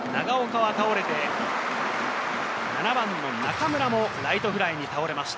その長岡は倒れて、７番の中村もライトフライに倒れました。